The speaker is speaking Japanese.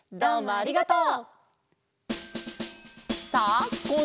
ありがとう！